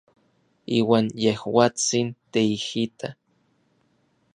Iuan yejuatsin teijita.